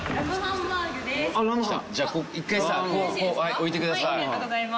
置いてください。